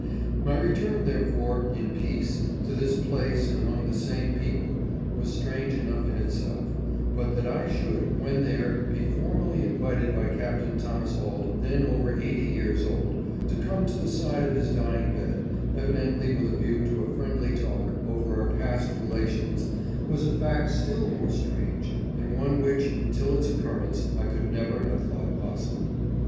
22 (533) 534 VISIT TO CAPTAIN THOMAS AULD. My return, therefore, in peace, to this place and among the same people, was strange enough in itself; but that I should, when there, be formally invited by Captain Thomas Auld, then over eighty years old, to come to the side of his dying bed, evidently with a view to a friendly talk over our past relations, was a fact still more strange, and one which, until its occurrence, I could never have thought possible.